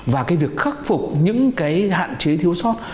và cái việc khắc phục những cái hạn chế thiếu sót